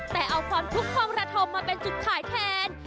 แต่เอาความทุกของราธมมาเป็นจุดข่ายแทน